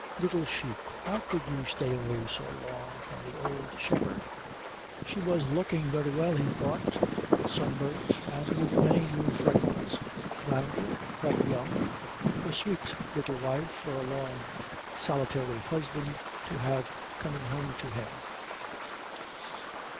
"Little sheep, how could you stay away so long from the old shepherd?" She was looking very well, he thought sunburnt and with many new freckles, rounder, quite young, a sweet little wife for a long solitary husband to have coming home to him.